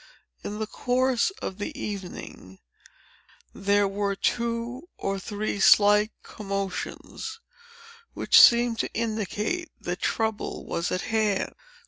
In the course of the evening, there were two or three slight commotions, which seemed to indicate that trouble was at hand.